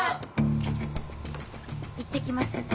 いってきます。